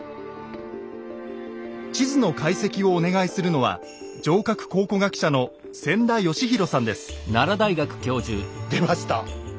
地図の解析をお願いするのは城郭考古学者の出ました。